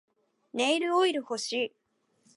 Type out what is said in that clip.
ネイルオイル欲しい